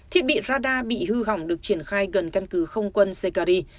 thiết bị radar bị hư hỏng được triển khai gần căn cứ không quân sekari